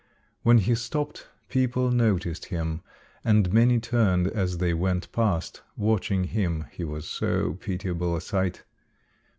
When he stopped people noticed him and many turned as they went past, watching him he was so pitiable a sight.